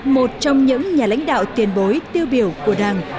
một trong những nhà lãnh đạo tiền bối tiêu biểu của đảng